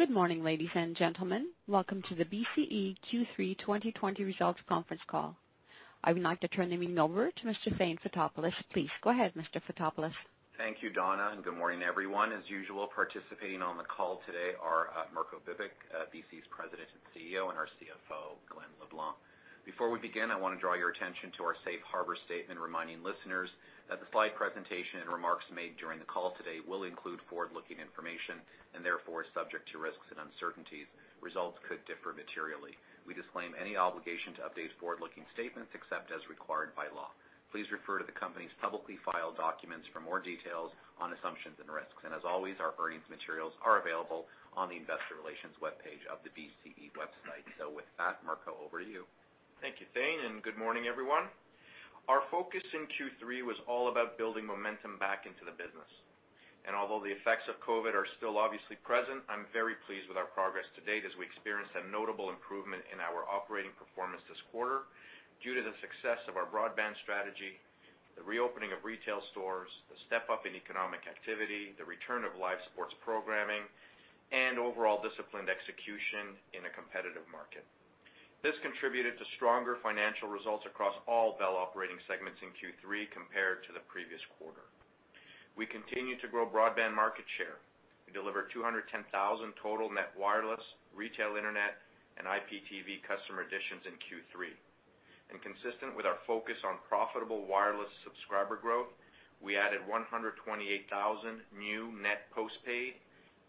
Good morning, ladies and gentlemen. Welcome to the BCE Q3 2020 results conference call. I would like to turn the meeting over to Mr. Thane Fotopoulos. Please go ahead, Mr. Fotopoulos. Thank you, Donna, and good morning, everyone. As usual, participating on the call today are Mirko Bibic, BCE's President and CEO, and our CFO, Glen LeBlanc. Before we begin, I want to draw your attention to our Safe Harbor statement reminding listeners that the slide presentation and remarks made during the call today will include forward-looking information and therefore is subject to risks and uncertainties. Results could differ materially. We disclaim any obligation to update forward-looking statements except as required by law. Please refer to the company's publicly filed documents for more details on assumptions and risks. As always, our earnings materials are available on the investor relations webpage of the BCE website. With that, Mirko, over to you. Thank you, Thane, and good morning, everyone. Our focus in Q3 was all about building momentum back into the business. Although the effects of COVID are still obviously present, I'm very pleased with our progress to date as we experienced a notable improvement in our operating performance this quarter due to the success of our broadband strategy, the reopening of retail stores, the step-up in economic activity, the return of live sports programming, and overall disciplined execution in a competitive market. This contributed to stronger financial results across all Bell operating segments in Q3 compared to the previous quarter. We continue to grow broadband market share. We delivered 210,000 total net wireless, retail internet, and IPTV customer additions in Q3. Consistent with our focus on profitable wireless subscriber growth, we added 128,000 new net postpaid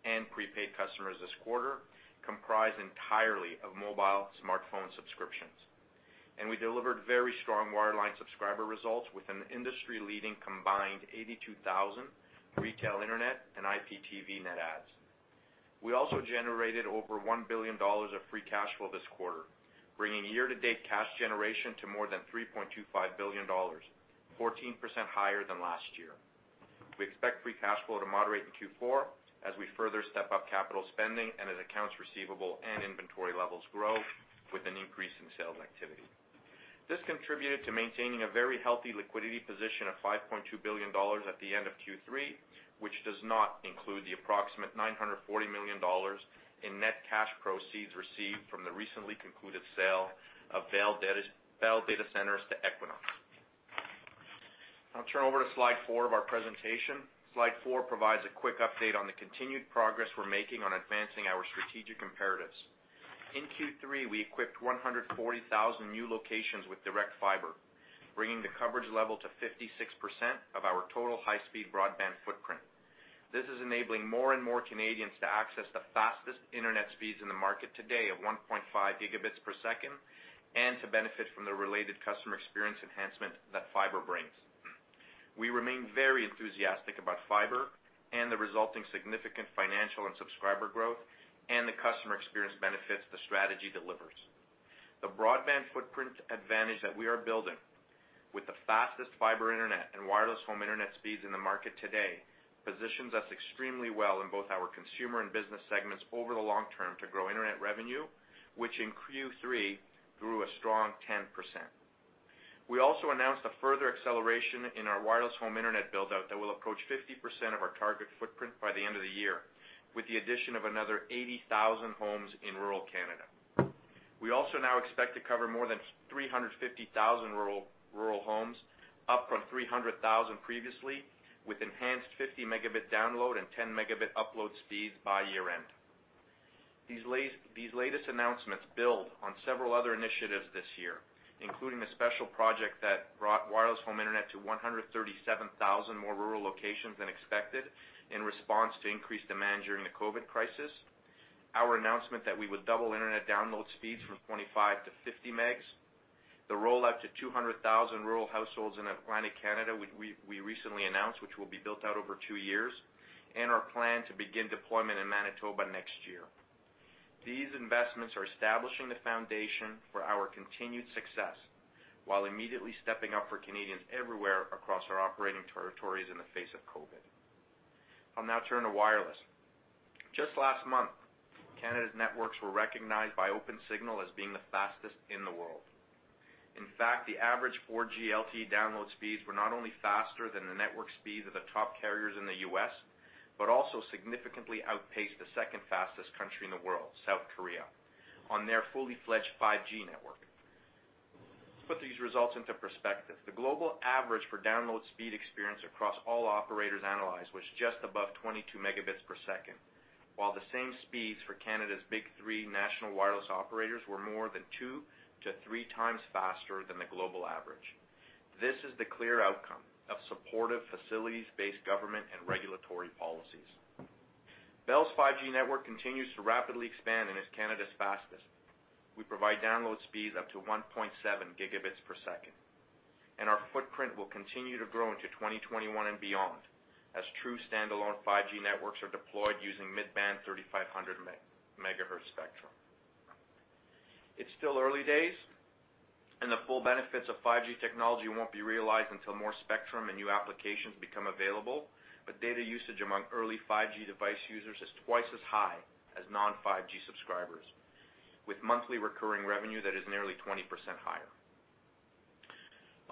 and prepaid customers this quarter, comprised entirely of mobile smartphone subscriptions. We delivered very strong wireline subscriber results with an industry-leading combined 82,000 retail internet and IPTV net adds. We also generated over $ 1 billion of free cash flow this quarter, bringing year-to-date cash generation to more than $3.25 billion, 14% higher than last year. We expect free cash flow to moderate in Q4 as we further step up capital spending and as accounts receivable and inventory levels grow with an increase in sales activity. This contributed to maintaining a very healthy liquidity position of $5.2 billion at the end of Q3, which does not include the approximate $940 million in net cash proceeds received from the recently concluded sale of Bell data centers to Equinix. I'll turn over to slide four of our presentation. Slide four provides a quick update on the continued progress we're making on advancing our strategic imperatives. In Q3, we equipped 140,000 new locations with direct fiber, bringing the coverage level to 56% of our total high-speed broadband footprint. This is enabling more and more Canadians to access the fastest internet speeds in the market today of 1.5 Gb per second and to benefit from the related customer experience enhancement that fiber brings. We remain very enthusiastic about fiber and the resulting significant financial and subscriber growth and the customer experience benefits the strategy delivers. The broadband footprint advantage that we are building with the fastest fiber internet and Wireless Home Internet speeds in the market today positions us extremely well in both our consumer and business segments over the long term to grow internet revenue, which in Q3 grew a strong 10%. We also announced a further acceleration in our Wireless Home Internet build-out that will approach 50% of our target footprint by the end of the year, with the addition of another 80,000 homes in rural Canada. We also now expect to cover more than 350,000 rural homes, up from 300,000 previously, with enhanced 50 Mb download and 10 Mb upload speeds by year-end. These latest announcements build on several other initiatives this year, including a special project that brought Wireless Home Internet to 137,000 more rural locations than expected in response to increased demand during the COVID crisis, our announcement that we would double internet download speeds from 25 to 50 megs, the rollout to 200,000 rural households in Atlantic Canada we recently announced, which will be built out over two years, and our plan to begin deployment in Manitoba next year. These investments are establishing the foundation for our continued success while immediately stepping up for Canadians everywhere across our operating territories in the face of COVID. I'll now turn to wireless. Just last month, Canada's networks were recognized by OpenSignal as being the fastest in the world. In fact, the average 4G LTE download speeds were not only faster than the network speeds of the top carriers in the U.S., but also significantly outpaced the second fastest country in the world, South Korea, on their fully-fledged 5G network. To put these results into perspective, the global average for download speed experience across all operators analyzed was just above 22 Mbps, while the same speeds for Canada's big three national wireless operators were more than two to three times faster than the global average. This is the clear outcome of supportive facilities-based government and regulatory policies. Bell's 5G network continues to rapidly expand and is Canada's fastest. We provide download speeds up to 1.7 Gbps. Our footprint will continue to grow into 2021 and beyond as true standalone 5G networks are deployed using mid-band 3500 MHz spectrum. It's still early days, and the full benefits of 5G technology won't be realized until more spectrum and new applications become available, but data usage among early 5G device users is twice as high as non-5G subscribers, with monthly recurring revenue that is nearly 20% higher.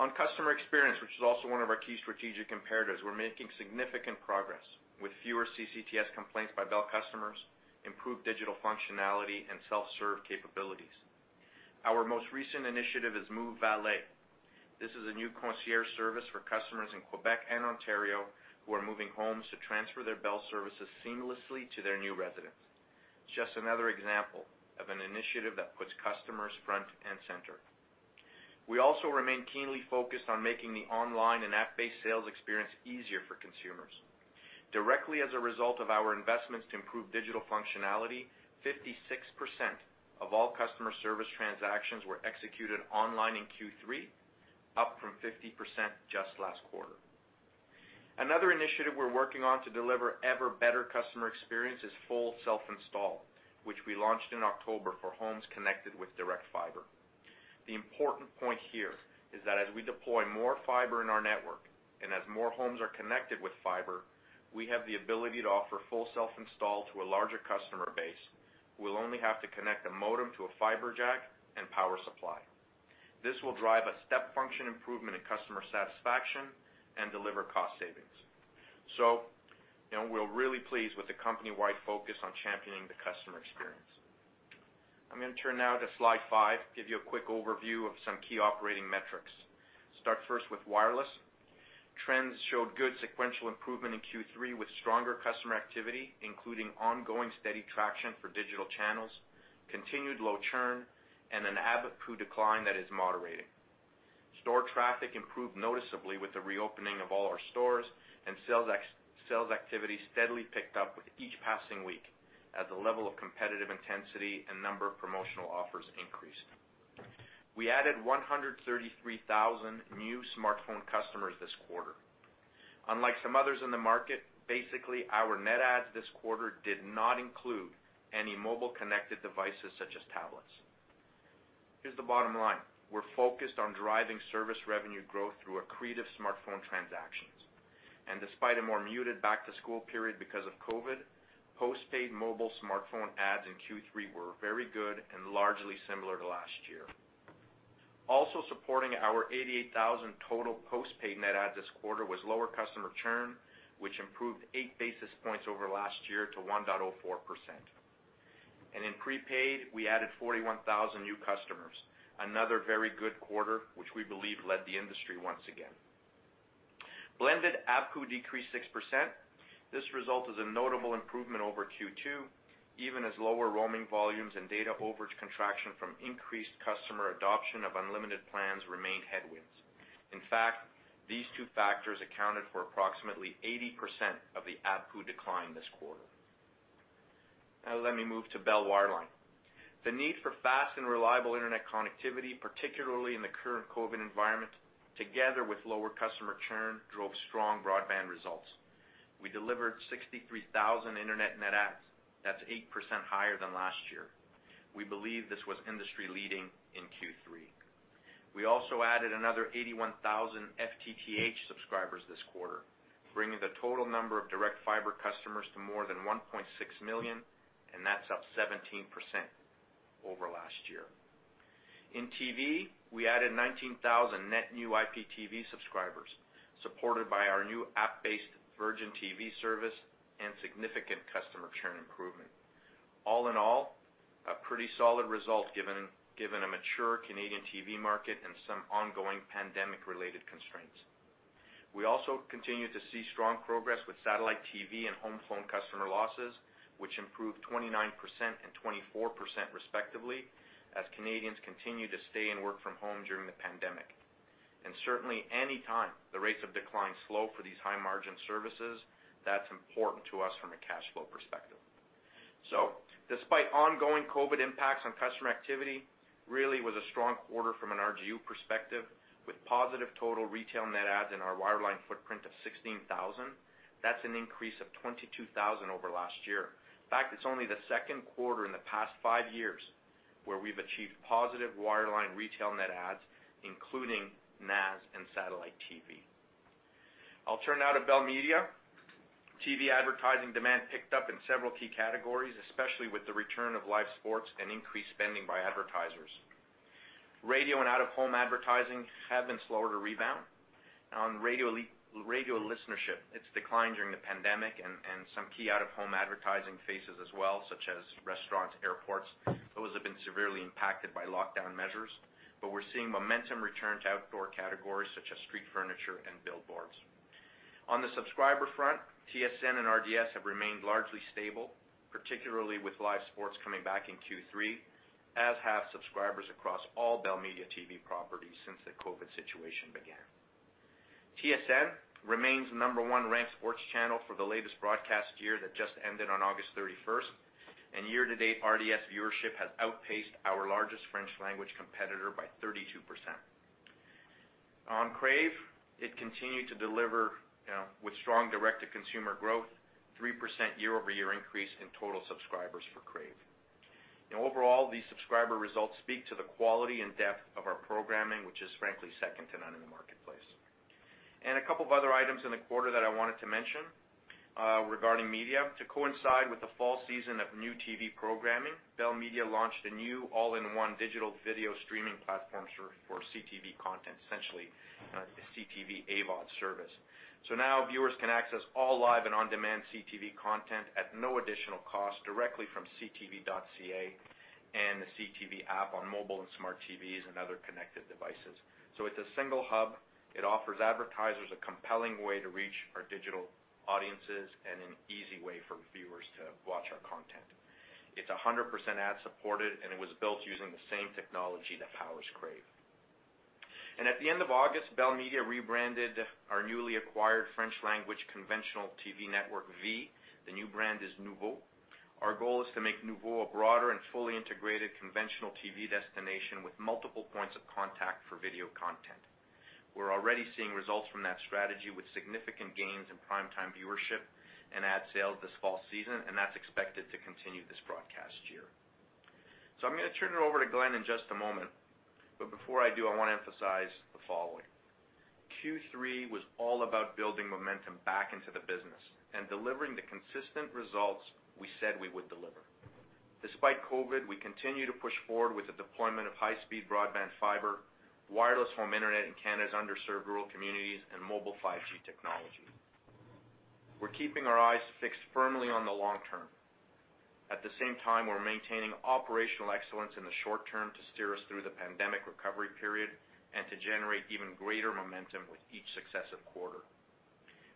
On customer experience, which is also one of our key strategic imperatives, we're making significant progress with fewer CCTS complaints by Bell customers, improved digital functionality, and self-serve capabilities. Our most recent initiative is Move Valet. This is a new concierge service for customers in Quebec and Ontario who are moving homes to transfer their Bell services seamlessly to their new residence. Just another example of an initiative that puts customers front and center. We also remain keenly focused on making the online and app-based sales experience easier for consumers. Directly as a result of our investments to improve digital functionality, 56% of all customer service transactions were executed online in Q3, up from 50% just last quarter. Another initiative we're working on to deliver ever better customer experience is full self-install, which we launched in October for homes connected with direct fiber. The important point here is that as we deploy more fiber in our network and as more homes are connected with fiber, we have the ability to offer full self-install to a larger customer base who will only have to connect a modem to a fiber jack and power supply. This will drive a step function improvement in customer satisfaction and deliver cost savings. We are really pleased with the company-wide focus on championing the customer experience. I am going to turn now to slide five, give you a quick overview of some key operating metrics. Start first with wireless. Trends showed good sequential improvement in Q3 with stronger customer activity, including ongoing steady traction for digital channels, continued low churn, and an ABPU decline that is moderating. Store traffic improved noticeably with the reopening of all our stores, and sales activity steadily picked up with each passing week as the level of competitive intensity and number of promotional offers increased. We added 133,000 new smartphone customers this quarter. Unlike some others in the market, basically our net adds this quarter did not include any mobile connected devices such as tablets. Here's the bottom line. We're focused on driving service revenue growth through accretive smartphone transactions. Despite a more muted back-to-school period because of COVID, postpaid mobile smartphone adds in Q3 were very good and largely similar to last year. Also supporting our 88,000 total postpaid net adds this quarter was lower customer churn, which improved eight basis points over last year to 1.04%. In prepaid, we added 41,000 new customers, another very good quarter, which we believe led the industry once again. Blended ABPU decreased 6%. This result is a notable improvement over Q2, even as lower roaming volumes and data overage contraction from increased customer adoption of unlimited plans remained headwinds. In fact, these two factors accounted for approximately 80% of the ABPU decline this quarter. Now let me move to Bell wireline. The need for fast and reliable internet connectivity, particularly in the current COVID environment, together with lower customer churn, drove strong broadband results. We delivered 63,000 internet net adds. That is 8% higher than last year. We believe this was industry-leading in Q3. We also added another 81,000 FTTH subscribers this quarter, bringing the total number of direct fiber customers to more than 1.6 million, and that is up 17% over last year. In TV, we added 19,000 net new IPTV subscribers, supported by our new app-based Virgin TV service and significant customer churn improvement. All in all, a pretty solid result given a mature Canadian TV market and some ongoing pandemic-related constraints. We also continue to see strong progress with satellite TV and home phone customer losses, which improved 29% and 24% respectively as Canadians continue to stay and work from home during the pandemic. Certainly, any time the rates of decline slow for these high-margin services, that's important to us from a cash flow perspective. Despite ongoing COVID impacts on customer activity, really was a strong quarter from an RGU perspective with positive total retail net adds in our wireline footprint of 16,000. That's an increase of 22,000 over last year. In fact, it's only the second quarter in the past five years where we've achieved positive wireline retail net adds, including NAS and satellite TV. I'll turn now to Bell Media. TV advertising demand picked up in several key categories, especially with the return of live sports and increased spending by advertisers. Radio and out-of-home advertising have been slower to rebound. On radio listenership, it's declined during the pandemic and some key out-of-home advertising faces as well, such as restaurants, airports. Those have been severely impacted by lockdown measures, but we're seeing momentum return to outdoor categories such as street furniture and billboards. On the subscriber front, TSN and RDS have remained largely stable, particularly with live sports coming back in Q3, as have subscribers across all Bell Media TV properties since the COVID situation began. TSN remains the number one ranked sports channel for the latest broadcast year that just ended on August 31, and year-to-date RDS viewership has outpaced our largest French-language competitor by 32%. On Crave, it continued to deliver with strong direct-to-consumer growth, 3% year-over-year increase in total subscribers for Crave. Overall, these subscriber results speak to the quality and depth of our programming, which is frankly second to none in the marketplace. A couple of other items in the quarter that I wanted to mention regarding media. To coincide with the fall season of new TV programming, Bell Media launched a new all-in-one digital video streaming platform for CTV content, essentially a CTV AVOD service. Now viewers can access all live and on-demand CTV content at no additional cost directly from CTV.ca and the CTV app on mobile and smart TVs and other connected devices. It is a single hub. It offers advertisers a compelling way to reach our digital audiences and an easy way for viewers to watch our content. It's 100% ad-supported, and it was built using the same technology that powers Crave. At the end of August, Bell Media rebranded our newly acquired French-language conventional TV network, V. The new brand is Noovo. Our goal is to make Noovo a broader and fully integrated conventional TV destination with multiple points of contact for video content. We're already seeing results from that strategy with significant gains in prime-time viewership and ad sales this fall season, and that's expected to continue this broadcast year. I'm going to turn it over to Glen in just a moment, but before I do, I want to emphasize the following. Q3 was all about building momentum back into the business and delivering the consistent results we said we would deliver. Despite COVID, we continue to push forward with the deployment of high-speed broadband fiber, Wireless Home Internet in Canada's underserved rural communities, and mobile 5G technology. We're keeping our eyes fixed firmly on the long term. At the same time, we're maintaining operational excellence in the short term to steer us through the pandemic recovery period and to generate even greater momentum with each successive quarter.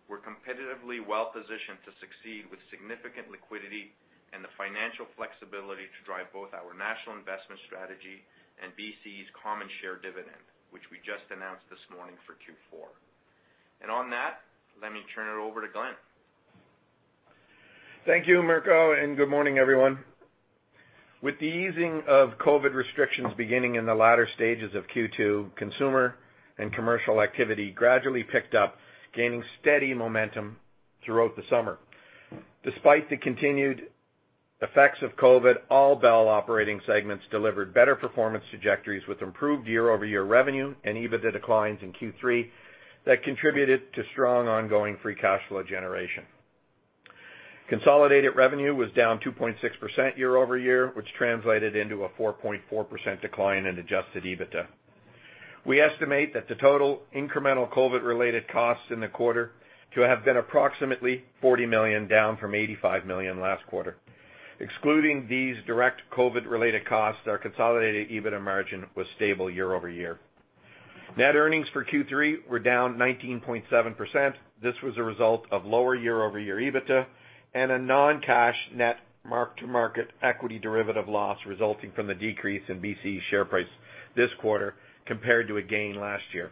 We're competitively well-positioned to succeed with significant liquidity and the financial flexibility to drive both our national investment strategy and BCE's common share dividend, which we just announced this morning for Q4. Let me turn it over to Glen. Thank you, Mirko, and good morning, everyone. With the easing of COVID restrictions beginning in the latter stages of Q2, consumer and commercial activity gradually picked up, gaining steady momentum throughout the summer. Despite the continued effects of COVID, all Bell operating segments delivered better performance trajectories with improved year-over-year revenue and even the declines in Q3 that contributed to strong ongoing free cash flow generation. Consolidated revenue was down 2.6% year-over-year, which translated into a 4.4% decline in adjusted EBITDA. We estimate that the total incremental COVID-related costs in the quarter to have been approximately $ 40 million, down from $ 85 million last quarter. Excluding these direct COVID-related costs, our consolidated EBITDA margin was stable year-over-year. Net earnings for Q3 were down 19.7%. This was a result of lower year-over-year EBITDA and a non-cash net mark-to-market equity derivative loss resulting from the decrease in BCE share price this quarter compared to a gain last year.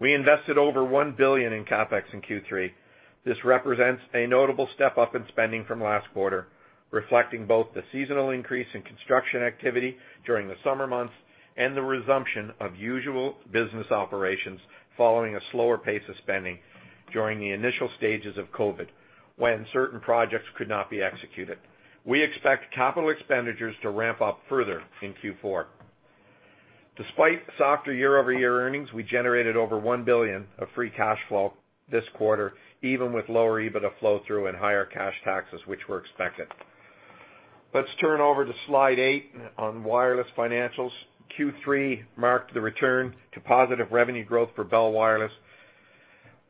We invested over $1 billion in CapEx in Q3. This represents a notable step up in spending from last quarter, reflecting both the seasonal increase in construction activity during the summer months and the resumption of usual business operations following a slower pace of spending during the initial stages of COVID when certain projects could not be executed. We expect capital expenditures to ramp up further in Q4. Despite softer year-over-year earnings, we generated over $ 1 billion of free cash flow this quarter, even with lower EBITDA flow-through and higher cash taxes, which were expected. Let's turn over to slide eight on wireless financials. Q3 marked the return to positive revenue growth for Bell Wireless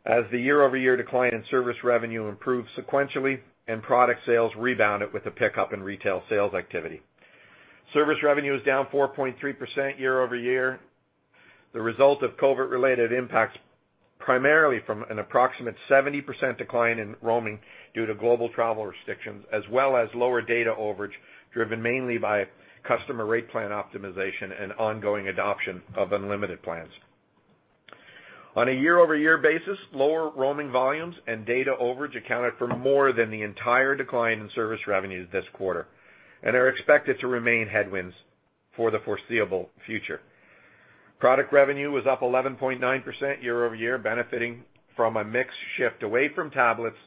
as the year-over-year decline in service revenue improved sequentially and product sales rebounded with a pickup in retail sales activity. Service revenue is down 4.3% year-over-year. The result of COVID-related impacts primarily from an approximate 70% decline in roaming due to global travel restrictions, as well as lower data overage driven mainly by customer rate plan optimization and ongoing adoption of unlimited plans. On a year-over-year basis, lower roaming volumes and data overage accounted for more than the entire decline in service revenues this quarter and are expected to remain headwinds for the foreseeable future. Product revenue was up 11.9% year-over-year, benefiting from a mix shift away from tablets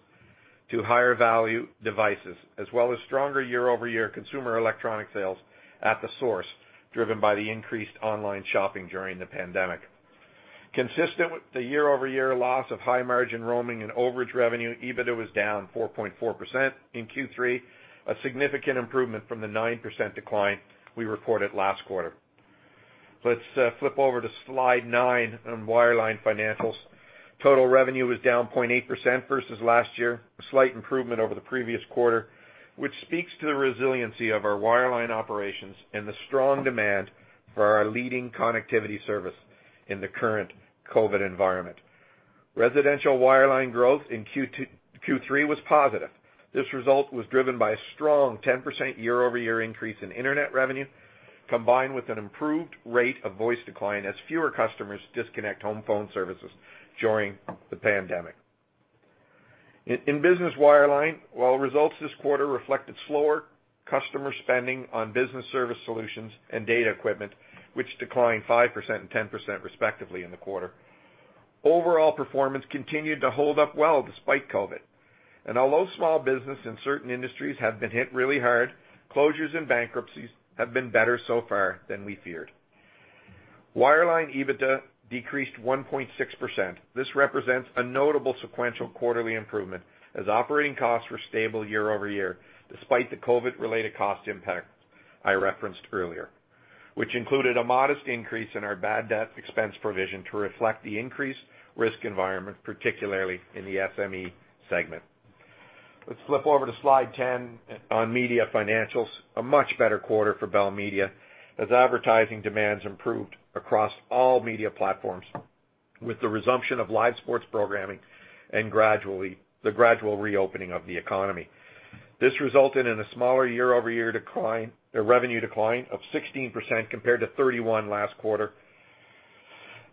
to higher value devices, as well as stronger year-over-year consumer electronic sales at The Source driven by the increased online shopping during the pandemic. Consistent with the year-over-year loss of high-margin roaming and overage revenue, EBITDA was down 4.4% in Q3, a significant improvement from the 9% decline we reported last quarter. Let's flip over to slide nine on wireline financials. Total revenue was down 0.8% versus last year, a slight improvement over the previous quarter, which speaks to the resiliency of our wireline operations and the strong demand for our leading connectivity service in the current COVID environment. Residential wireline growth in Q3 was positive. This result was driven by a strong 10% year-over-year increase in internet revenue, combined with an improved rate of voice decline as fewer customers disconnect home phone services during the pandemic. In business wireline, while results this quarter reflected slower customer spending on business service solutions and data equipment, which declined 5% and 10% respectively in the quarter, overall performance continued to hold up well despite COVID. Although small business in certain industries have been hit really hard, closures and bankruptcies have been better so far than we feared. Wireline EBITDA decreased 1.6%. This represents a notable sequential quarterly improvement as operating costs were stable year-over-year, despite the COVID-related cost impact I referenced earlier, which included a modest increase in our bad debt expense provision to reflect the increased risk environment, particularly in the SME segment. Let's flip over to slide 10 on media financials. A much better quarter for Bell Media as advertising demands improved across all media platforms with the resumption of live sports programming and the gradual reopening of the economy. This resulted in a smaller year-over-year revenue decline of 16% compared to 31% last quarter.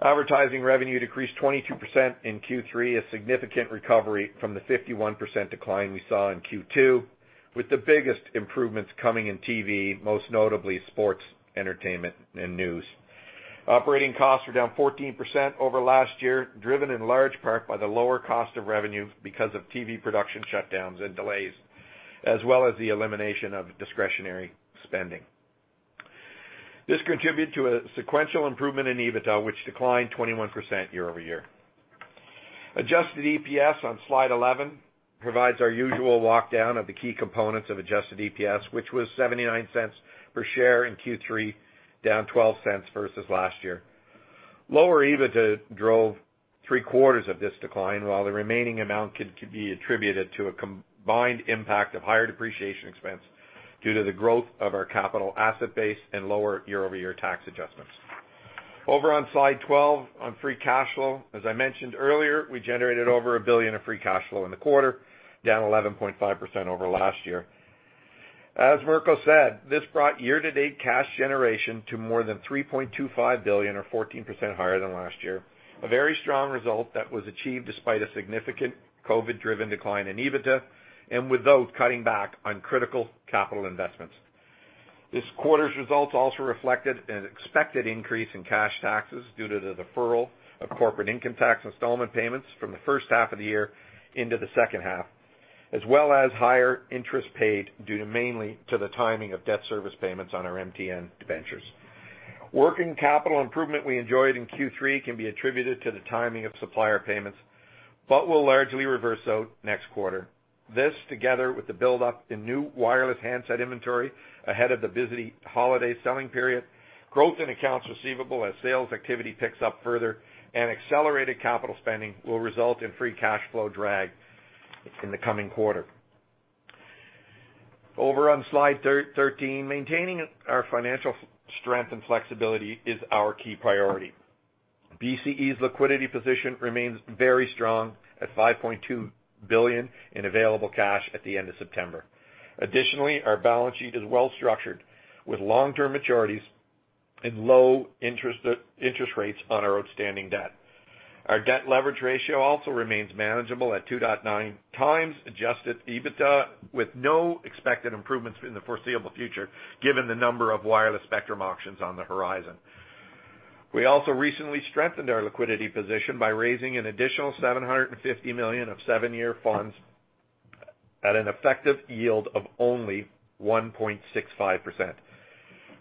Advertising revenue decreased 22% in Q3, a significant recovery from the 51% decline we saw in Q2, with the biggest improvements coming in TV, most notably sports, entertainment, and news. Operating costs were down 14% over last year, driven in large part by the lower cost of revenue because of TV production shutdowns and delays, as well as the elimination of discretionary spending. This contributed to a sequential improvement in EBITDA, which declined 21% year-over-year. Adjusted EPS on slide 11 provides our usual walkdown of the key components of adjusted EPS, which was 0.79 per share in Q3, down $ 0.12 versus last year. Lower EBITDA drove three-quarters of this decline, while the remaining amount could be attributed to a combined impact of higher depreciation expense due to the growth of our capital asset base and lower year-over-year tax adjustments. Over on slide 12 on free cash flow, as I mentioned earlier, we generated over $ 1 billion of free cash flow in the quarter, down 11.5% over last year. As Mirko said, this brought year-to-date cash generation to more than $3.25 billion, or 14% higher than last year, a very strong result that was achieved despite a significant COVID-driven decline in EBITDA and without cutting back on critical capital investments. This quarter's results also reflected an expected increase in cash taxes due to the deferral of corporate income tax installment payments from the first half of the year into the second half, as well as higher interest paid due mainly to the timing of debt service payments on our MTN ventures. Working capital improvement we enjoyed in Q3 can be attributed to the timing of supplier payments, but will largely reverse out next quarter. This, together with the buildup in new wireless handset inventory ahead of the busy holiday selling period, growth in accounts receivable as sales activity picks up further, and accelerated capital spending will result in free cash flow drag in the coming quarter. Over on slide 13, maintaining our financial strength and flexibility is our key priority. BCE's liquidity position remains very strong at $ 5.2 billion in available cash at the end of September. Additionally, our balance sheet is well-structured with long-term maturities and low interest rates on our outstanding debt. Our debt leverage ratio also remains manageable at 2.9 times adjusted EBITDA, with no expected improvements in the foreseeable future given the number of wireless spectrum auctions on the horizon. We also recently strengthened our liquidity position by raising an additional $ 750 million of seven-year funds at an effective yield of only 1.65%.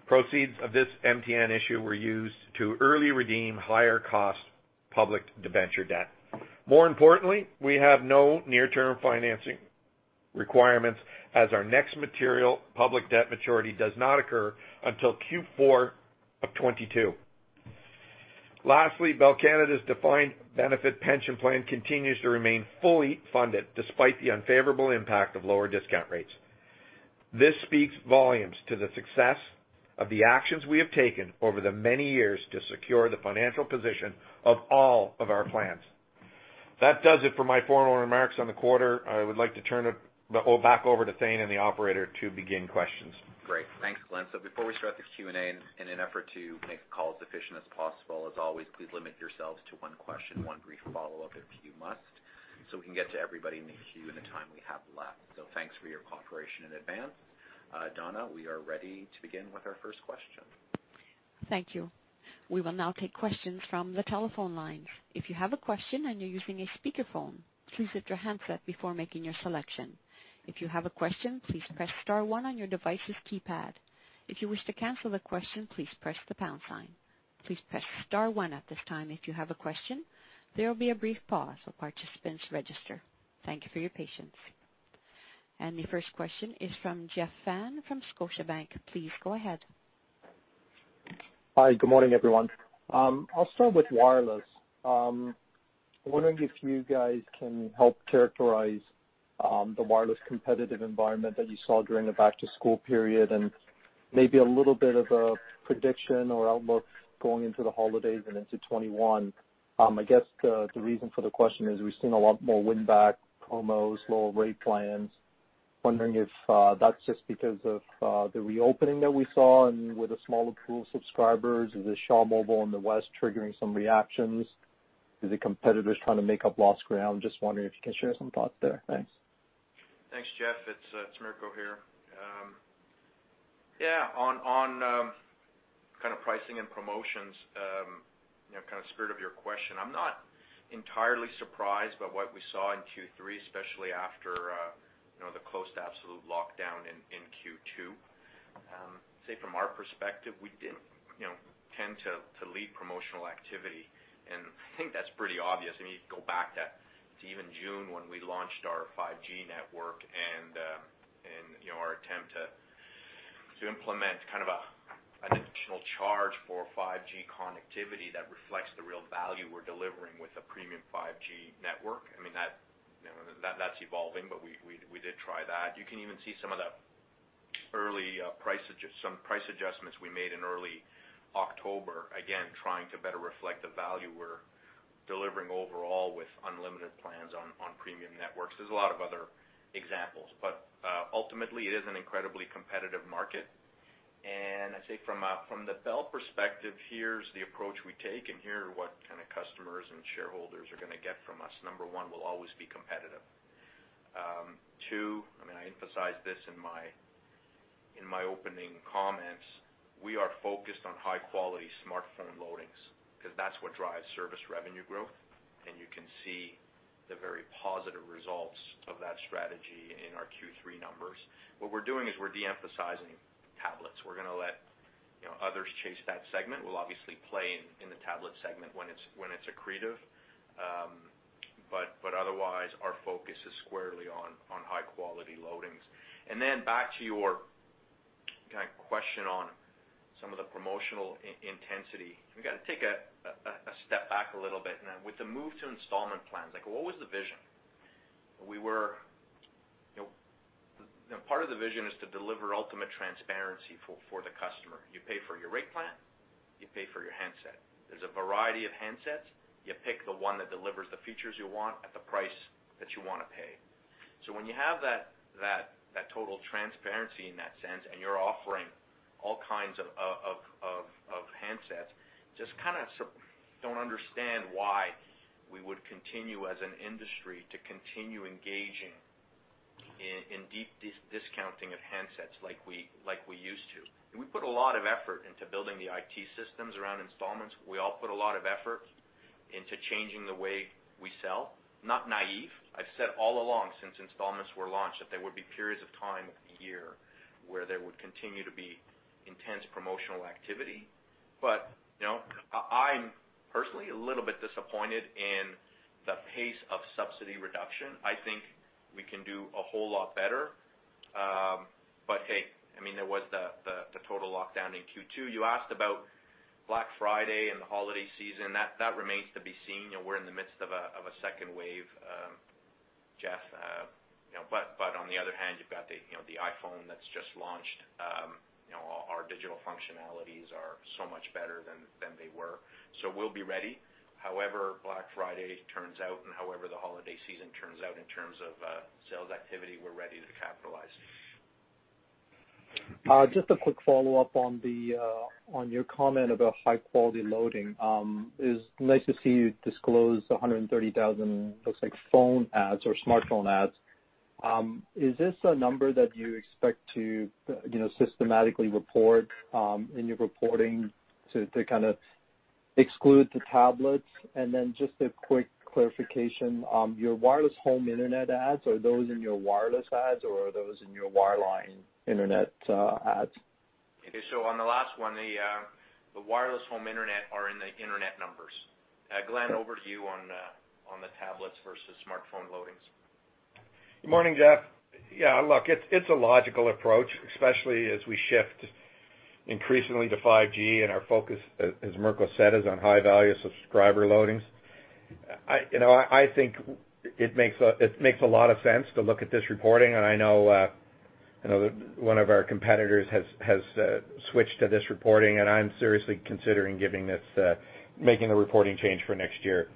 Proceeds of this MTN issue were used to early redeem higher-cost public debenture debt. More importantly, we have no near-term financing requirements as our next material public debt maturity does not occur until Q4 of 2022. Lastly, Bell Canada's defined benefit pension plan continues to remain fully funded despite the unfavorable impact of lower discount rates. This speaks volumes to the success of the actions we have taken over the many years to secure the financial position of all of our plans. That does it for my formal remarks on the quarter. I would like to turn it back over to Thane and the operator to begin questions. Great. Thanks, Glen. Before we start the Q&A, in an effort to make the call as efficient as possible, as always, please limit yourselves to one question, one brief follow-up if you must, so we can get to everybody in the queue in the time we have left. Thanks for your cooperation in advance. Donna, we are ready to begin with our first question. Thank you. We will now take questions from the telephone lines. If you have a question and you're using a speakerphone, please lift your handset before making your selection. If you have a question, please press star one on your device's keypad. If you wish to cancel the question, please press the pound sign. Please press star one at this time if you have a question. There will be a brief pause while participants register. Thank you for your patience. The first question is from Jeff Fan from Scotiabank. Please go ahead. Hi. Good morning, everyone. I'll start with wireless. I'm wondering if you guys can help characterize the wireless competitive environment that you saw during the back-to-school period and maybe a little bit of a prediction or outlook going into the holidays and into 2021. I guess the reason for the question is we've seen a lot more win-back promos, lower rate plans. Wondering if that's just because of the reopening that we saw and with a smaller pool of subscribers. Is it Shaw Mobile in the West triggering some reactions? Is it competitors trying to make up lost ground? Just wondering if you can share some thoughts there. Thanks. Thanks, Jeff. It's Mirko here. Yeah. On kind of pricing and promotions, kind of spirit of your question, I'm not entirely surprised by what we saw in Q3, especially after the close to absolute lockdown in Q2. I'd say from our perspective, we didn't tend to lead promotional activity. I think that's pretty obvious. I mean, you go back to even June when we launched our 5G network and our attempt to implement kind of an additional charge for 5G connectivity that reflects the real value we're delivering with a premium 5G network. I mean, that's evolving, but we did try that. You can even see some of the early price adjustments we made in early October, again, trying to better reflect the value we're delivering overall with unlimited plans on premium networks. There's a lot of other examples. Ultimately, it is an incredibly competitive market. I'd say from the Bell perspective, here's the approach we take and here are what kind of customers and shareholders are going to get from us. Number one, we'll always be competitive. Two, I mean, I emphasize this in my opening comments. We are focused on high-quality smartphone loadings because that's what drives service revenue growth. You can see the very positive results of that strategy in our Q3 numbers. What we're doing is we're de-emphasizing tablets. We're going to let others chase that segment. We'll obviously play in the tablet segment when it's accretive. Otherwise, our focus is squarely on high-quality loadings. Back to your kind of question on some of the promotional intensity. We got to take a step back a little bit. With the move to installment plans, what was the vision? Part of the vision is to deliver ultimate transparency for the customer. You pay for your rate plan. You pay for your handset. There is a variety of handsets. You pick the one that delivers the features you want at the price that you want to pay. When you have that total transparency in that sense and you are offering all kinds of handsets, just kind of do not understand why we would continue as an industry to continue engaging in deep discounting of handsets like we used to. We put a lot of effort into building the IT systems around installments. We all put a lot of effort into changing the way we sell. Not naive. I have said all along since installments were launched that there would be periods of time of the year where there would continue to be intense promotional activity. I'm personally a little bit disappointed in the pace of subsidy reduction. I think we can do a whole lot better. I mean, there was the total lockdown in Q2. You asked about Black Friday and the holiday season. That remains to be seen. We're in the midst of a second wave, Jeff. On the other hand, you've got the iPhone that's just launched. Our digital functionalities are so much better than they were. We'll be ready. However Black Friday turns out and however the holiday season turns out in terms of sales activity, we're ready to capitalize. Just a quick follow-up on your comment about high-quality loading. It's nice to see you disclose 130,000, looks like, phone ads or smartphone ads. Is this a number that you expect to systematically report in your reporting to kind of exclude the tablets? Then just a quick clarification. Your wireless home internet ads, are those in your wireless ads or are those in your wireline internet ads? Okay. On the last one, the wireless home internet are in the internet numbers. Glen, over to you on the tablets versus smartphone loadings. Good morning, Jeff. Yeah. Look, it's a logical approach, especially as we shift increasingly to 5G and our focus, as Mirko said, is on high-value subscriber loadings. I think it makes a lot of sense to look at this reporting. I know one of our competitors has switched to this reporting. I'm seriously considering making the reporting change for next year.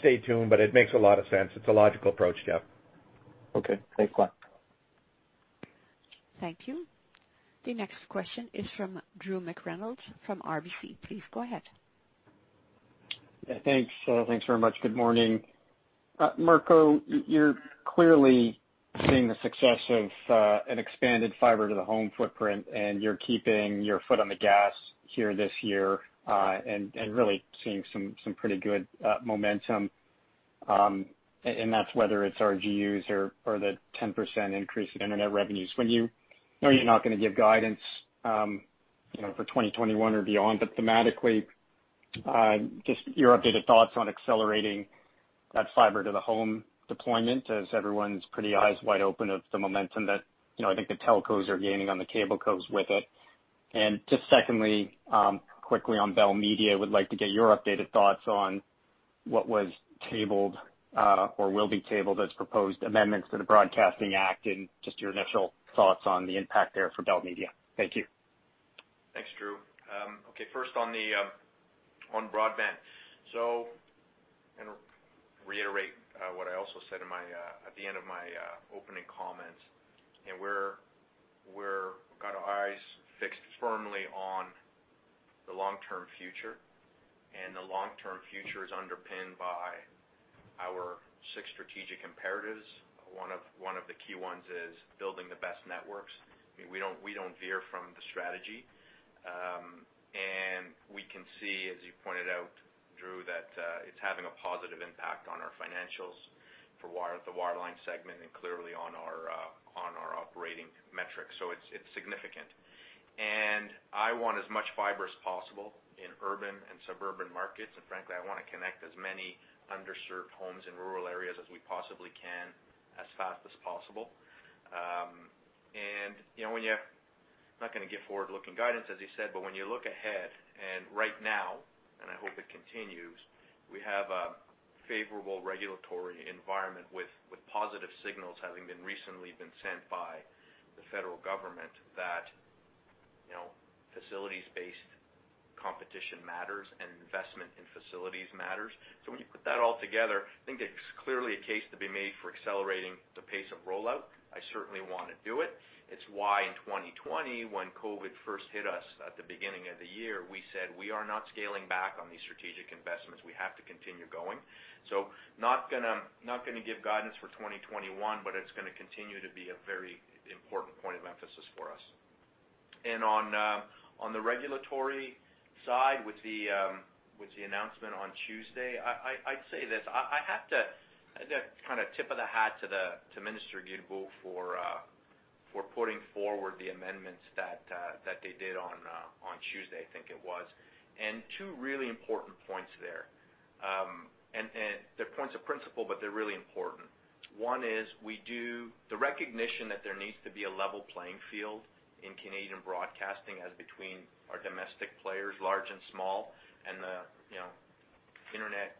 Stay tuned. It makes a lot of sense. It's a logical approach, Jeff. Okay. Thanks, Glen. Thank you. The next question is from Drew McReynolds from RBC. Please go ahead. Yeah. Thanks. Thanks very much. Good morning. Mirko, you're clearly seeing the success of an expanded fiber-to-the-home footprint. You're keeping your foot on the gas here this year and really seeing some pretty good momentum. That's whether it's RGUs or the 10% increase in internet revenues. I know you're not going to give guidance for 2021 or beyond, but thematically, just your updated thoughts on accelerating that fiber-to-the-home deployment as everyone's pretty eyes wide open of the momentum that I think the telcos are gaining on the cablecos with it. Just secondly, quickly on Bell Media, would like to get your updated thoughts on what was tabled or will be tabled as proposed amendments to the Broadcasting Act and just your initial thoughts on the impact there for Bell Media. Thank you. Thanks, Drew. Okay. First on broadband. Reiterate what I also said at the end of my opening comments. We've got our eyes fixed firmly on the long-term future. The long-term future is underpinned by our six strategic imperatives. One of the key ones is building the best networks. We do not veer from the strategy. We can see, as you pointed out, Drew, that it is having a positive impact on our financials for the wireline segment and clearly on our operating metrics. It is significant. I want as much fiber as possible in urban and suburban markets. Frankly, I want to connect as many underserved homes in rural areas as we possibly can as fast as possible. I'm not going to give forward-looking guidance, as you said, but when you look ahead and right now, and I hope it continues, we have a favorable regulatory environment with positive signals having recently been sent by the federal government that facilities-based competition matters and investment in facilities matters. When you put that all together, I think there's clearly a case to be made for accelerating the pace of rollout. I certainly want to do it. It's why in 2020, when COVID first hit us at the beginning of the year, we said, "We are not scaling back on these strategic investments. We have to continue going." Not going to give guidance for 2021, but it's going to continue to be a very important point of emphasis for us. On the regulatory side, with the announcement on Tuesday, I'd say this. I have to kind of tip of the hat to Minister Guilbeault for putting forward the amendments that they did on Tuesday, I think it was. Two really important points there. They are points of principle, but they are really important. One is the recognition that there needs to be a level playing field in Canadian broadcasting as between our domestic players, large and small, and the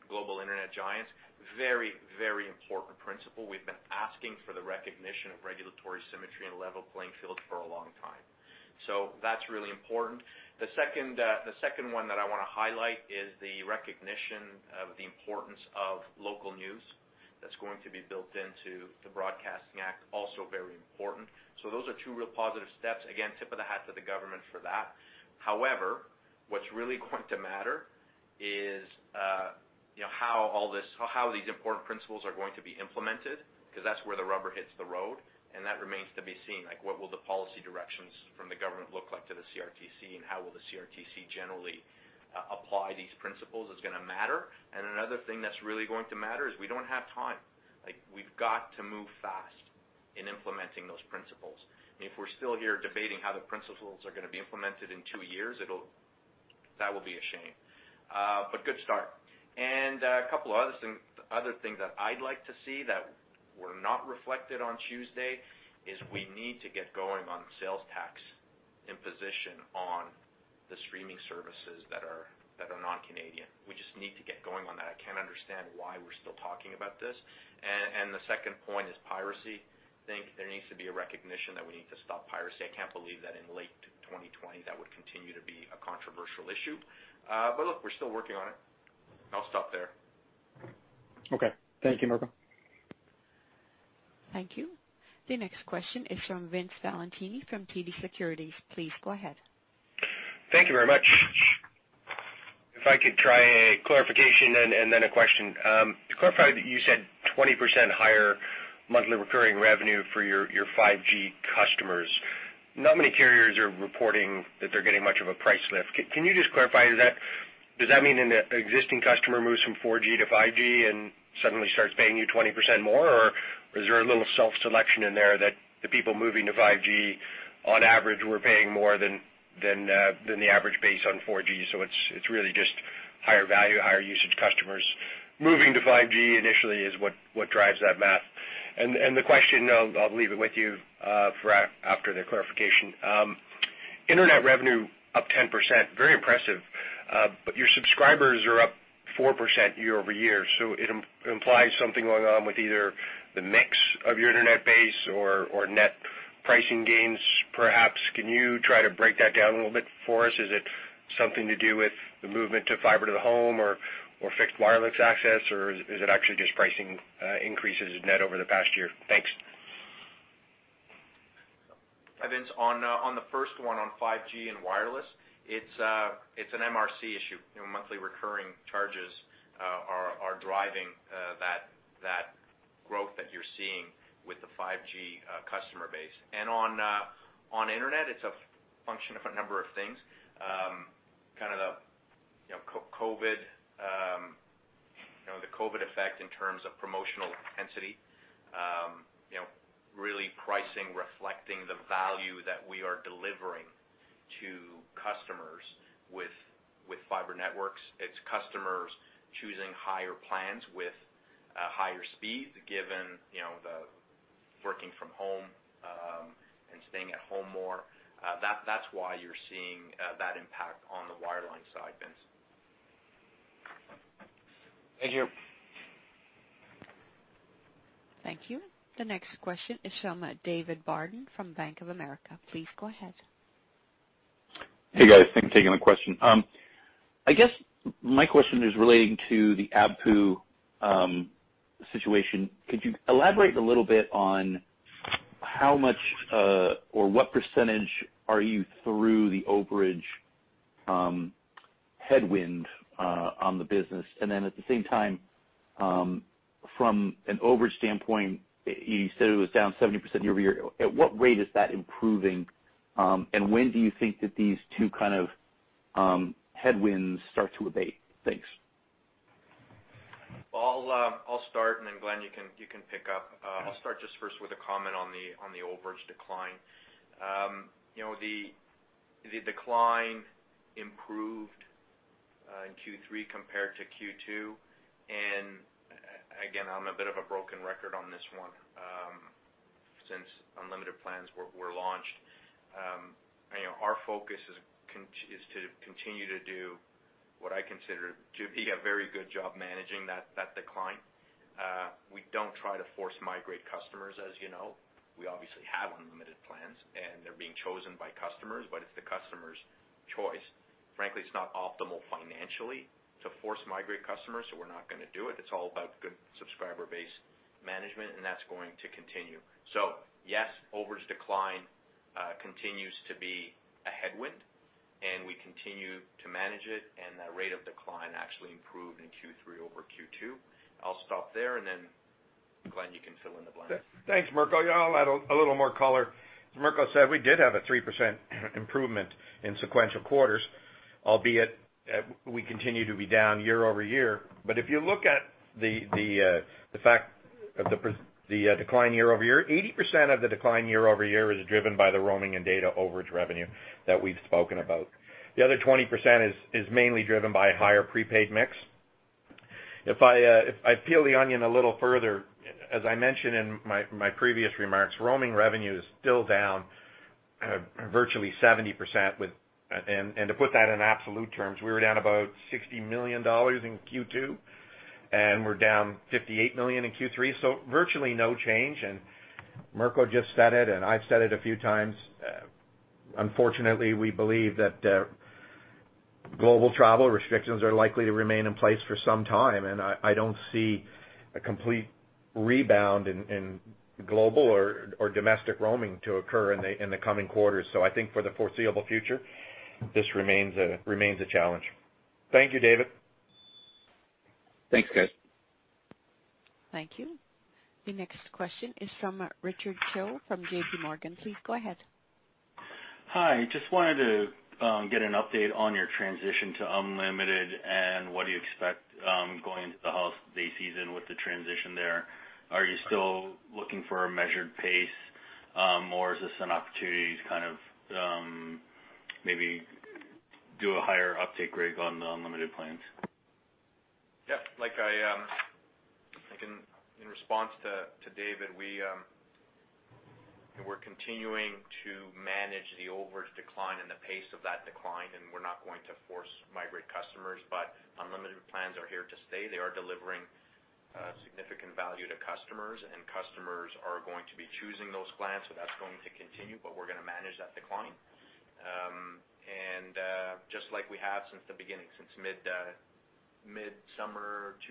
global internet giants. Very, very important principle. We have been asking for the recognition of regulatory symmetry and level playing field for a long time. That is really important. The second one that I want to highlight is the recognition of the importance of local news that is going to be built into the Broadcasting Act. Also very important. Those are two real positive steps. Again, tip of the hat to the government for that. However, what's really going to matter is how these important principles are going to be implemented because that's where the rubber hits the road. That remains to be seen. What will the policy directions from the government look like to the CRTC? How the CRTC generally applies these principles is going to matter. Another thing that's really going to matter is we don't have time. We've got to move fast in implementing those principles. If we're still here debating how the principles are going to be implemented in two years, that will be a shame. Good start. A couple of other things that I'd like to see that were not reflected on Tuesday is we need to get going on sales tax imposition on the streaming services that are non-Canadian. We just need to get going on that. I can't understand why we're still talking about this. The second point is piracy. I think there needs to be a recognition that we need to stop piracy. I can't believe that in late 2020 that would continue to be a controversial issue. Look, we're still working on it. I'll stop there. Okay. Thank you, Mirko. Thank you. The next question is from Vince Valentini from TD Securities. Please go ahead. Thank you very much. If I could try a clarification and then a question. To clarify, you said 20% higher monthly recurring revenue for your 5G customers. Not many carriers are reporting that they're getting much of a price lift. Can you just clarify? Does that mean an existing customer moves from 4G to 5G and suddenly starts paying you 20% more? Or is there a little self-selection in there that the people moving to 5G, on average, were paying more than the average base on 4G? It is really just higher value, higher usage customers moving to 5G initially is what drives that math. The question, I'll leave it with you after the clarification. Internet revenue up 10%. Very impressive. Your subscribers are up 4% year over year. It implies something going on with either the mix of your internet base or net pricing gains, perhaps. Can you try to break that down a little bit for us? Is it something to do with the movement to fiber-to-the-home or fixed wireless access? Is it actually just pricing increases net over the past year? Thanks. Hi, Vince. On the first one on 5G and wireless, it's an MRC issue. Monthly recurring charges are driving that growth that you're seeing with the 5G customer base. On internet, it's a function of a number of things. Kind of the COVID effect in terms of promotional intensity, really pricing reflecting the value that we are delivering to customers with fiber networks. It's customers choosing higher plans with higher speed given the working from home and staying at home more. That's why you're seeing that impact on the wireline side, Vince. Thank you. Thank you. The next question is from David Barden from Bank of America. Please go ahead. Hey, guys. Thanks for taking the question. I guess my question is relating to the ABPU situation. Could you elaborate a little bit on how much or what percentage are you through the overage headwind on the business? At the same time, from an overage standpoint, you said it was down 70% year over year. At what rate is that improving? When do you think that these two kind of headwinds start to abate? Thanks. I will start. Glen, you can pick up. I will start just first with a comment on the overage decline. The decline improved in Q3 compared to Q2. Again, I am a bit of a broken record on this one since unlimited plans were launched. Our focus is to continue to do what I consider to be a very good job managing that decline. We do not try to force migrate customers, as you know. We obviously have unlimited plans, and they are being chosen by customers. It is the customer's choice. Frankly, it is not optimal financially to force migrate customers. We are not going to do it. It's all about good subscriber-based management. That's going to continue. Yes, overage decline continues to be a headwind. We continue to manage it. That rate of decline actually improved in Q3 over Q2. I'll stop there. Glen, you can fill in the blank. Thanks, Mirko. I'll add a little more color. As Mirko said, we did have a 3% improvement in sequential quarters, albeit we continue to be down year over year. If you look at the fact of the decline year over year, 80% of the decline year over year is driven by the roaming and data overage revenue that we've spoken about. The other 20% is mainly driven by a higher prepaid mix. If I peel the onion a little further, as I mentioned in my previous remarks, roaming revenue is still down virtually 70%. To put that in absolute terms, we were down about $ 60 million in Q2. We are down 58 million in Q3. Virtually no change. Mirko just said it, and I have said it a few times. Unfortunately, we believe that global travel restrictions are likely to remain in place for some time. I do not see a complete rebound in global or domestic roaming to occur in the coming quarters. I think for the foreseeable future, this remains a challenge. Thank you, David. Thanks, guys. Thank you. The next question is from Richard Cho from JPMorgan. Please go ahead. Hi. Just wanted to get an update on your transition to unlimited and what do you expect going into the holiday season with the transition there. Are you still looking for a measured pace? Is this an opportunity to kind of maybe do a higher uptake rate on the unlimited plans? Yeah. In response to David, we're continuing to manage the overage decline and the pace of that decline. We're not going to force migrate customers. Unlimited plans are here to stay. They are delivering significant value to customers. Customers are going to be choosing those plans. That's going to continue. We're going to manage that decline, just like we have since the beginning, since mid-summer 2019.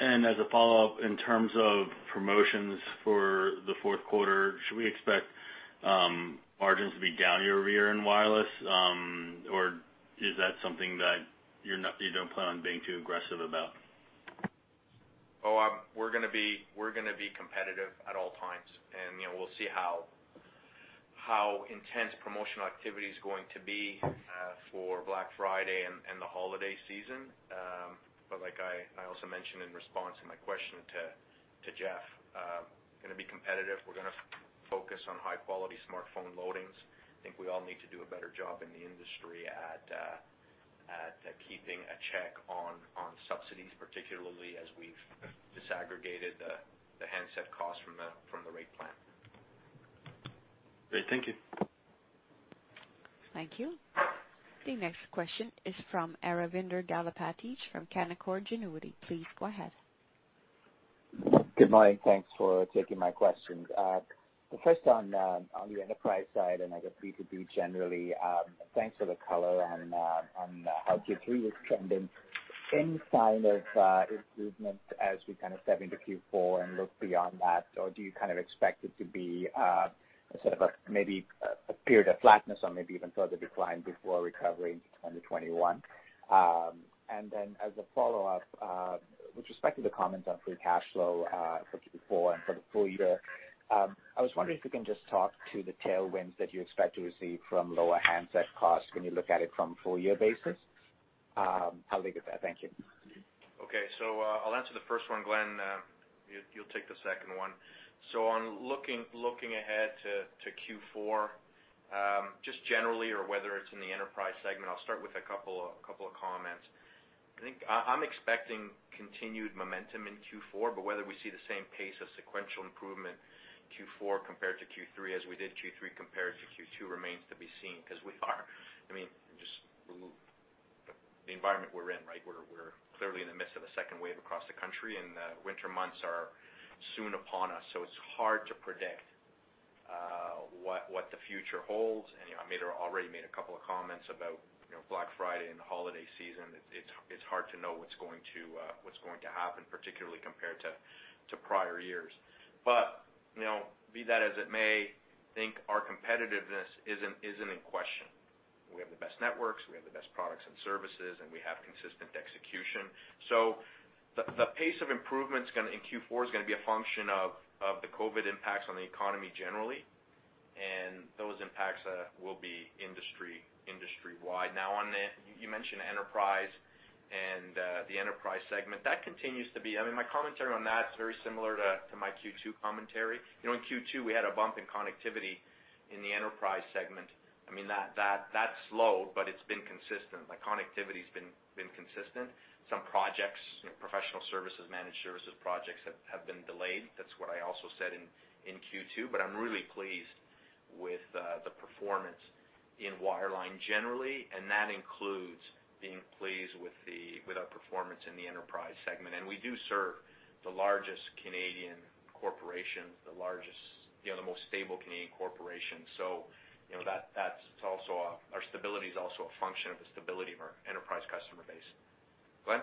As a follow-up, in terms of promotions for the fourth quarter, should we expect margins to be down year over year in wireless? Is that something that you don't plan on being too aggressive about? We're going to be competitive at all times. We'll see how intense promotional activity is going to be for Black Friday and the holiday season. Like I also mentioned in response to my question to Jeff, going to be competitive. We're going to focus on high-quality smartphone loadings. I think we all need to do a better job in the industry at keeping a check on subsidies, particularly as we've disaggregated the handset cost from the rate plan. Great. Thank you. Thank you. The next question is from Aravinda Galappatthige from Canaccord Genuity. Please go ahead. Good morning. Thanks for taking my question. The first on the enterprise side and I guess B2B generally, thanks for the color on how Q3 was trending. Any sign of improvement as we kind of step into Q4 and look beyond that? Do you kind of expect it to be a sort of maybe a period of flatness or maybe even further decline before recovery into 2021? As a follow-up, with respect to the comments on free cash flow for Q4 and for the full year, I was wondering if you can just talk to the tailwinds that you expect to receive from lower handset cost when you look at it from a full-year basis. I'll leave it there. Thank you. Okay. I'll answer the first one, Glen. You'll take the second one. On looking ahead to Q4, just generally or whether it's in the enterprise segment, I'll start with a couple of comments. I think I'm expecting continued momentum in Q4. Whether we see the same pace of sequential improvement Q4 compared to Q3 as we did Q3 compared to Q2 remains to be seen because we are I mean, just the environment we're in, right? We're clearly in the midst of a second wave across the country. Winter months are soon upon us. It's hard to predict what the future holds. I may have already made a couple of comments about Black Friday and the holiday season. It's hard to know what's going to happen, particularly compared to prior years. Be that as it may, I think our competitiveness isn't in question. We have the best networks. We have the best products and services. We have consistent execution. The pace of improvement in Q4 is going to be a function of the COVID impacts on the economy generally. Those impacts will be industry wide. Now, on the you mentioned enterprise and the enterprise segment. That continues to be I mean, my commentary on that is very similar to my Q2 commentary. In Q2, we had a bump in connectivity in the enterprise segment. I mean, that slowed. It has been consistent. The connectivity has been consistent. Some projects, professional services, managed services projects have been delayed. That is what I also said in Q2. I am really pleased with the performance in wireline generally. That includes being pleased with our performance in the enterprise segment. We do serve the largest Canadian corporations, the most stable Canadian corporations. Our stability is also a function of the stability of our enterprise customer base. Glen.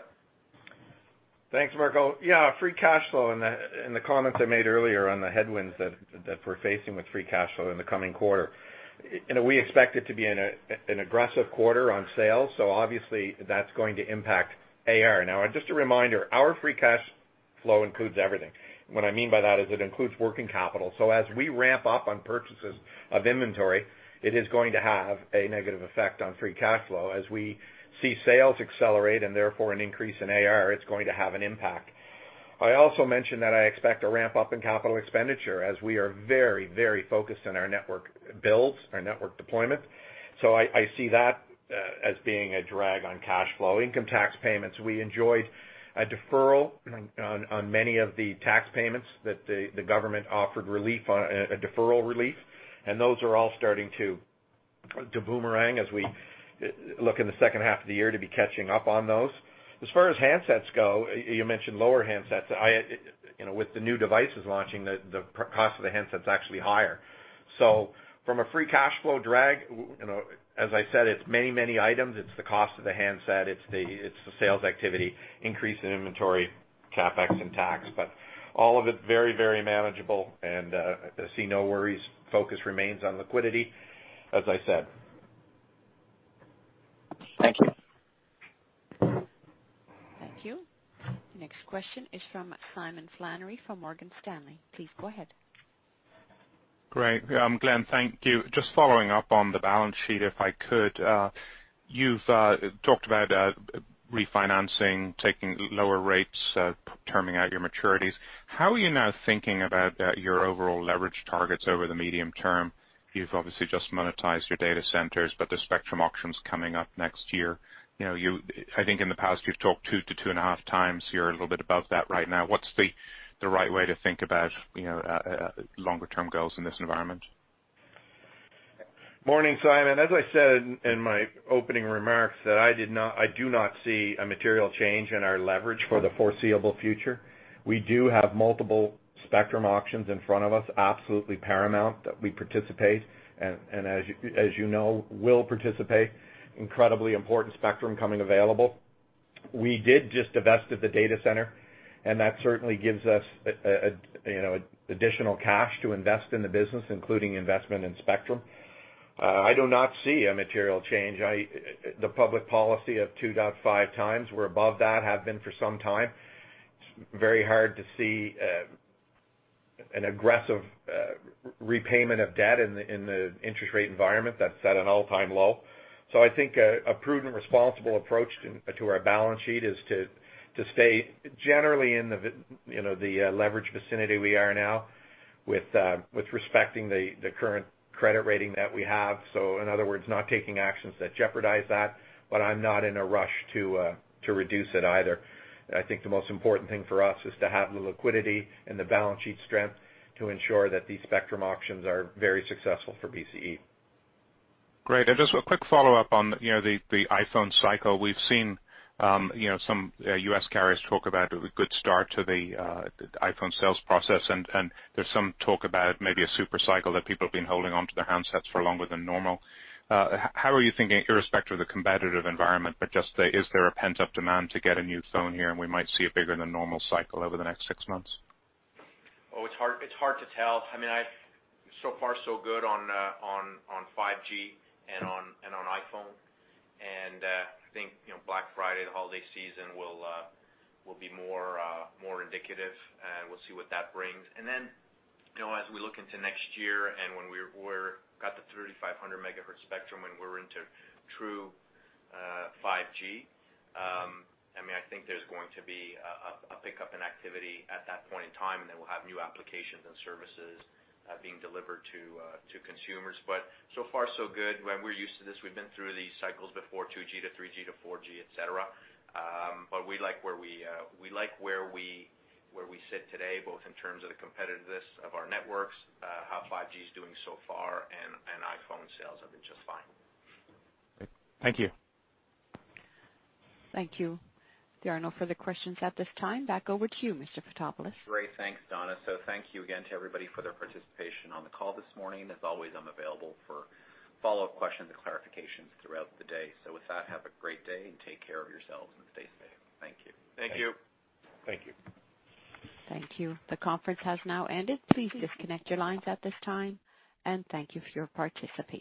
Thanks, Mirko. Yeah, free cash flow and the comments I made earlier on the headwinds that we are facing with free cash flow in the coming quarter. We expect it to be an aggressive quarter on sales. Obviously, that's going to impact AR. Just a reminder, our free cash flow includes everything. What I mean by that is it includes working capital. As we ramp up on purchases of inventory, it is going to have a negative effect on free cash flow. As we see sales accelerate and therefore an increase in AR, it's going to have an impact. I also mentioned that I expect a ramp-up in capital expenditure as we are very, very focused on our network builds, our network deployment. I see that as being a drag on cash flow. Income tax payments, we enjoyed a deferral on many of the tax payments that the government offered a deferral relief. Those are all starting to boomerang as we look in the second half of the year to be catching up on those. As far as handsets go, you mentioned lower handsets. With the new devices launching, the cost of the handsets is actually higher. From a free cash flow drag, as I said, it's many, many items. It's the cost of the handset. It's the sales activity, increase in inventory, CapEx, and tax. All of it very, very manageable. I see no worries. Focus remains on liquidity, as I said. Thank you. Thank you. The next question is from Simon Flannery from Morgan Stanley. Please go ahead. Great. Yeah, umh Glen. Thank you. Just following up on the balance sheet, if I could. You've talked about refinancing, taking lower rates, turning out your maturities. How are you now thinking about your overall leverage targets over the medium term? You've obviously just monetized your data centers. The spectrum auction's coming up next year. I think in the past, you've talked two to two and a half times. You're a little bit above that right now. What's the right way to think about longer-term goals in this environment? Morning, Simon. As I said in my opening remarks, I do not see a material change in our leverage for the foreseeable future. We do have multiple spectrum auctions in front of us, absolutely paramount that we participate and, as you know, will participate. Incredibly important spectrum coming available. We did just divest the data center. That certainly gives us additional cash to invest in the business, including investment in spectrum. I do not see a material change. The public policy of 2.5 times, we're above that, have been for some time. It's very hard to see an aggressive repayment of debt in the interest rate environment. That's at an all-time low. I think a prudent, responsible approach to our balance sheet is to stay generally in the leverage vicinity we are now with respecting the current credit rating that we have. In other words, not taking actions that jeopardize that. I'm not in a rush to reduce it either. I think the most important thing for us is to have the liquidity and the balance sheet strength to ensure that these spectrum auctions are very successful for BCE. Great. Just a quick follow-up on the iPhone cycle. We've seen some US carriers talk about a good start to the iPhone sales process. There is some talk about maybe a supercycle that people have been holding onto their handsets for longer than normal. How are you thinking irrespective of the competitive environment? Just is there a pent-up demand to get a new phone here? We might see a bigger-than-normal cycle over the next six months. Oh, it's hard to tell. I mean, so far, so good on 5G and on iPhone. I think Black Friday, the holiday season, will be more indicative. We will see what that brings. As we look into next year and when we have the 3500 MHz spectrum and we are into true 5G, I think there is going to be a pickup in activity at that point in time. We will have new applications and services being delivered to consumers. So far, so good. We are used to this. We've been through these cycles before: 2G to 3G to 4G, etc. We like where we sit today, both in terms of the competitiveness of our networks, how 5G is doing so far, and iPhone sales have been just fine. Thank you. Thank you. There are no further questions at this time. Back over to you, Mr. Fotopoulos. Great. Thanks, Donna. Thank you again to everybody for their participation on the call this morning. As always, I'm available for follow-up questions and clarifications throughout the day. With that, have a great day and take care of yourselves and stay safe. Thank you. Thank you. Thank you. Thank you. The conference has now ended. Please disconnect your lines at this time. Thank you for your participation.